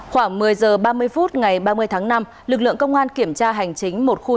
khoảng một mươi h ba mươi phút ngày ba mươi tháng năm lực lượng công an kiểm tra hành chính một khu